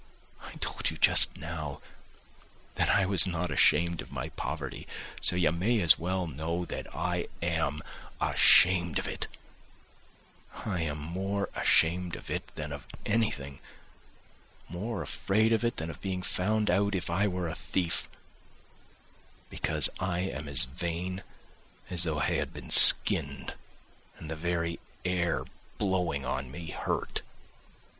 I told you just now that I was not ashamed of my poverty; so you may as well know that I am ashamed of it; I am more ashamed of it than of anything, more afraid of it than of being found out if I were a thief, because I am as vain as though I had been skinned and the very air blowing on me hurt.